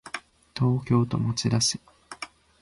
東京都町田市